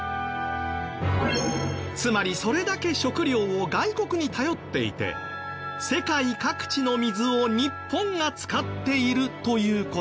つまりそれだけ食料を外国に頼っていて世界各地の水を日本が使っているという事。